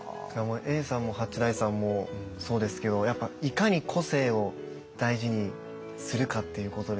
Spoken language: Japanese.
永さんも八大さんもそうですけどやっぱいかに個性を大事にするかっていうことですよね。